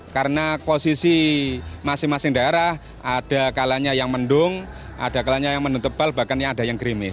karena posisi masing masing daerah ada kalanya yang mendung ada kalanya yang menutup bal bahkan ada yang grimis